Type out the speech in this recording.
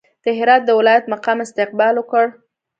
د هرات د ولایت مقام استقبال وکړ.